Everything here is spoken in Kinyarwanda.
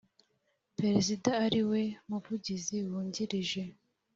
Perezida Ari We Muvugizi Wungirije